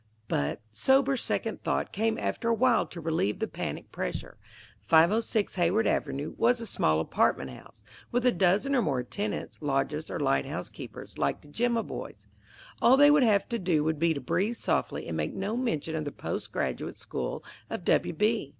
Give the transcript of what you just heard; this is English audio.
But sober second thought came after a while to relieve the panic pressure. 506 Hayward Avenue was a small apartment house, with a dozen or more tenants, lodgers, or light housekeepers, like the Jimaboys. All they would have to do would be to breathe softly and make no mention of the Post Graduate School of W. B.